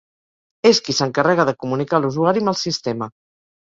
És qui s'encarrega de comunicar l'usuari amb el sistema.